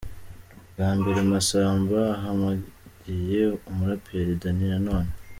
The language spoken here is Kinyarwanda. Bwa mbere Masamba ahamageye umuraperi Danny Nanone.